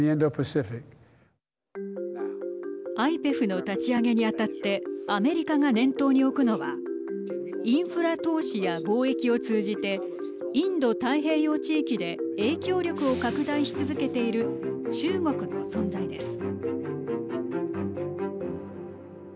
ＩＰＥＦの立ち上げにあたってアメリカが念頭に置くのはインフラ投資や貿易を通じてインド太平洋地域で影響力を拡大し続けている中国の存在です。